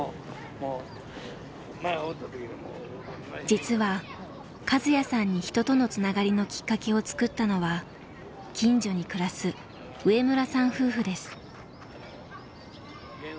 実はカズヤさんに人とのつながりのきっかけを作ったのは近所に暮らす上村さん夫婦です。